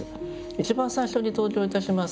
一番最初に登場いたします